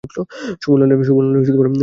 শোভনলালের মনটা চঞ্চল হয়ে উঠল।